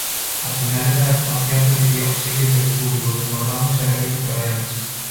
Al final de cada actuación recibía obsequios del público, como ramos y arreglos florales.